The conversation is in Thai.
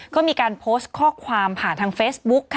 ก็มีการโพสต์ข้อความผ่านทางเฟซบุ๊กค่ะ